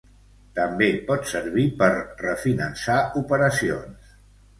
També pot servir per refinançar operacions.